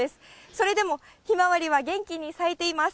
それでも、ひまわりは元気に咲いています。